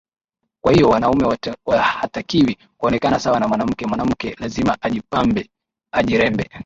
kwa hiyo wanaume hatakiwi kuonekana sawa na mwanamke mwanamke lazima ajipambe ajirembe